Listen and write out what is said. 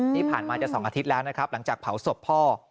ที่ผ่านมาจะ๒อาทิตย์แล้วนะครับหลังจากเผาศพพ่อ